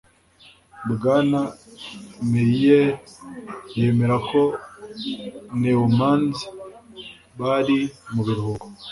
bwana meier yemera ko neumanns bari mu biruhuko